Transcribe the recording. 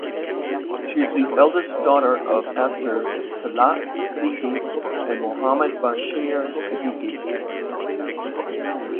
She is the eldest daughter of actor Talat Siddiqui and Mohammad Bashir Siddiqui.